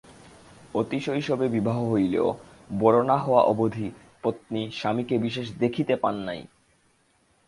অতিশৈশবে বিবাহ হইলেও বড় না হওয়া অবধি পত্নী স্বামীকে বিশেষ দেখিতে পান নাই।